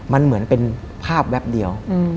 มันเหมือนเป็นภาพแวบเดียว